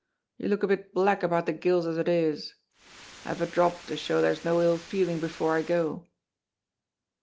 You look a bit black about the gills as it is. Have a drop to show there's no ill feeling before I go."